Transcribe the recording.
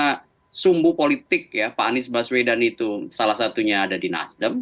karena sumbu politik ya pak anies baswedan itu salah satunya ada di nasdem